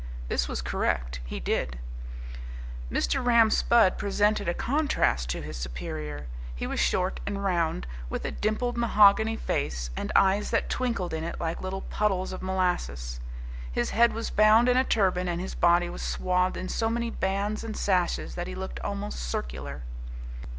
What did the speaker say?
This was correct. He did. Mr. Ram Spudd presented a contrast to his superior. He was short and round, with a dimpled mahogany face and eyes that twinkled in it like little puddles of molasses. His head was bound in a turban and his body was swathed in so many bands and sashes that he looked almost circular.